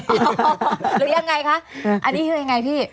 หรือยังไงคะอันนี้คือยังไงพี่